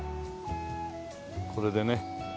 これでね。